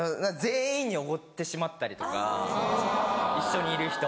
全員におごってしまったりとか一緒にいる人。